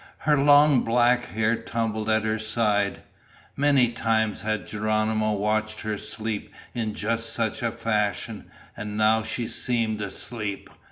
Her long black hair tumbled at her side. Many times had Geronimo watched her sleep in just such a fashion, and now she seemed asleep.